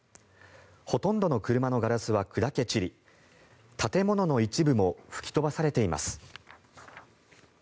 ほとんどの車のガラスは砕け散り建物の一部も吹き飛ばされています。